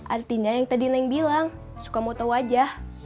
artinya yang tadi neng bilang suka mau tau aja